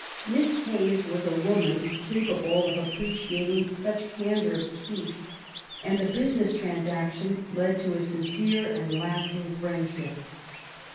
Miss Hayes was a woman capable of appre ciating such candour of speech; and the business transaction led to a sincere and lasting friendship.